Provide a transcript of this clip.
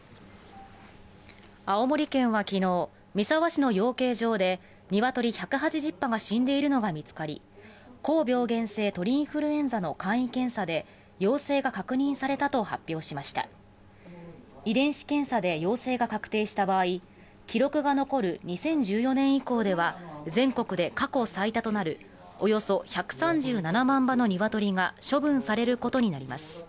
青森県はきのう三沢市の養鶏場でニワトリ１８０羽が死んでいるのが見つかり高病原性鳥インフルエンザの簡易検査で陽性が確認されたと発表しました遺伝子検査で陽性が確定した場合記録が残る２０１４年以降では全国で過去最多となるおよそ１３７万羽のニワトリが処分されることになります